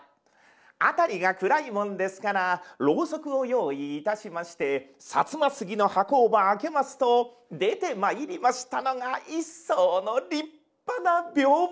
辺りが暗いもんですからろうそくを用意いたしまして薩摩杉の箱をば開けますと出てまいりましたのが一双の立派な屏風。